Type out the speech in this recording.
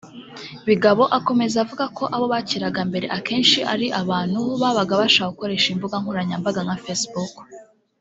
Bigabo akomeza avuga ko abo bakiraga mbere akenshi ari abantu babaga bashaka gukoresha imbuga nkoranyambaga nka Facebook